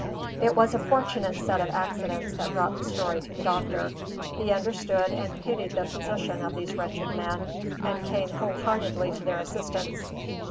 It was a fortunate series of accidents that brought the story to the doctor. He understood and pitied the position of these wretched men, and came whole heartedly to their assistance.